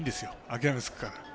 諦めつくから。